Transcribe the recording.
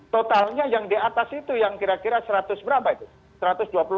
totalnya yang di atas itu yang kira kira seratus berapa itu